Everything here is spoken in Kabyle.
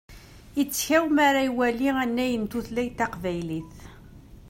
Ittkaw mi ara iwali annay n tutlayt taqbaylit.